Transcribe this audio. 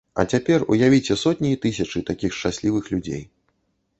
А цяпер уявіце сотні і тысячы такіх шчаслівых людзей.